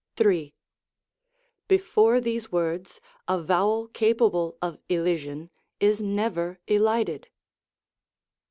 ni. Before these words, a vowel capable of elision is never elided.